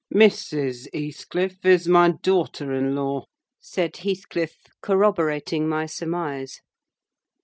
"Mrs. Heathcliff is my daughter in law," said Heathcliff, corroborating my surmise.